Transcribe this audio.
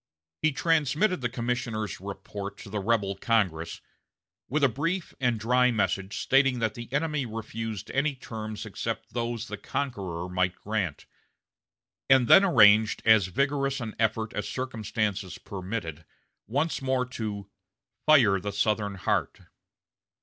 He transmitted the commissioners' report to the rebel Congress, with a brief and dry message stating that the enemy refused any terms except those the conqueror might grant; and then arranged as vigorous an effort as circumstances permitted once more to "fire the Southern heart."